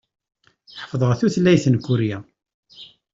Ḥeffḍeɣ tutlayt n Kurya.